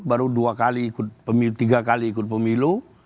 baru tiga kali ikut pemilu